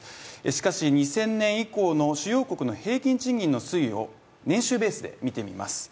しかし、２０００年以降の主要国の平均賃金の推移を年収ベースで見てみます。